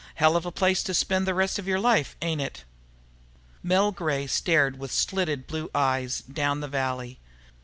"Hell of a place to spend the rest of your life, ain't it?" Mel Gray stared with slitted blue eyes down the valley.